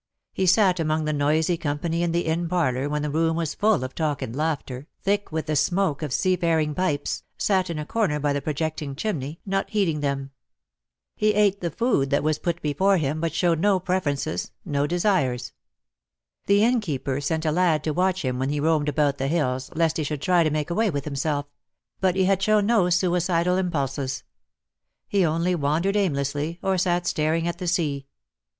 He sat among the noisy company in the Inn parlour when the room was full of talk and laughter, thick with the smoke of seafaring pipes, sat in a corner by the projecting chimney, not heeding them. He ate the food that was put before him, but showed no preferences, no desires. The Innkeeper sent a lad to watch him when he roamed about the hills, lest he should try to make away \vith himself — but he had shown no suicidal impulses. He only wandered aimlessly, or sat staring at the sea.